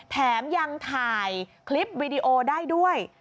แถมยังถ่ายคลิปวิดีโอได้ด้วย